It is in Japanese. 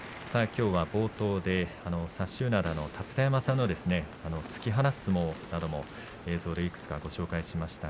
きょうは冒頭で薩洲洋の立田山さんの突き放す相撲なども映像で紹介しました。